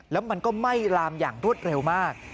แล้วมันก็ไหม้ลามอย่างรวดเร็วมาก